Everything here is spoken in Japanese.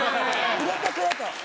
入れてくれと。